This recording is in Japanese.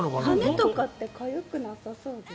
羽とかってかゆくなさそうですけど。